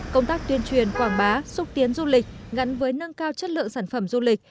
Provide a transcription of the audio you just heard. công tác tuyên truyền quảng bá xúc tiến du lịch gắn với nâng cao chất lượng sản phẩm du lịch